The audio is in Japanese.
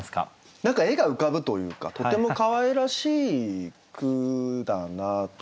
何か絵が浮かぶというかとてもかわいらしい句だなと。